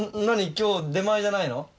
今日出前じゃないの？